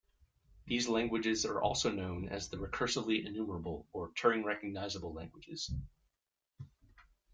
These languages are also known as the "recursively enumerable" or "Turing-recognizable" languages.